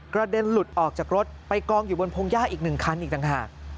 เด็นหลุดออกจากรถไปกองอยู่บนพงหญ้าอีก๑คันอีกต่างหาก